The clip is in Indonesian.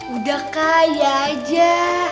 udah kaya aja